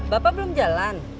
bapak belum jalan